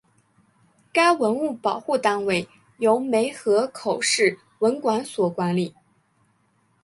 该文物保护单位由梅河口市文管所管理。